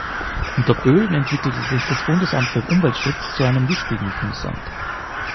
Unter Böhlen entwickelte sich das Bundesamt für Umweltschutz zu einem wichtigen Bundesamt.